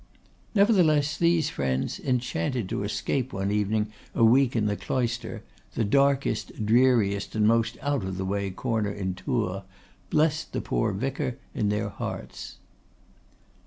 Nevertheless, these friends, enchanted to escape one evening a week in the Cloister, the darkest, dreariest, and most out of the way corner in Tours, blessed the poor vicar in their hearts.